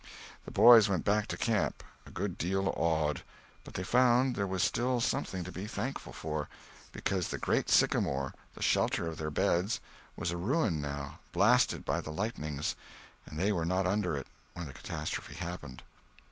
The boys went back to camp, a good deal awed; but they found there was still something to be thankful for, because the great sycamore, the shelter of their beds, was a ruin, now, blasted by the lightnings, and they were not under it when the catastrophe happened.